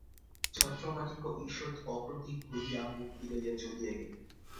ছত্রমাণিক্য ঈষৎ অপ্রতিভ হইয়া মুখ ফিরাইয়া চলিয়া গেলেন।